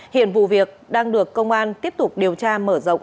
hiện vụ việc đang được công an tiếp tục điều tra mở rộng